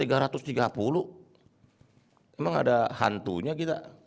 kalau bocor dua ratus tiga puluh juta emang ada hantunya kita